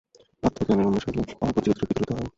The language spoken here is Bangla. আত্মজ্ঞানের উন্মেষ হইলেই অভাববোধ চিরতরে বিদূরিত হয়।